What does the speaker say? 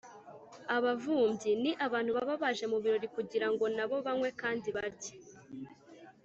“abavumbyi”: ni abantu baba baje mu birori kugirango nabo banywe kandi barye.